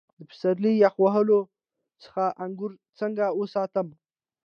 د پسرلي یخ وهلو څخه انګور څنګه وساتم؟